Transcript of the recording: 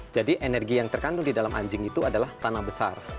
jadi energi yang terkandung di dalam anjing itu adalah tanah besar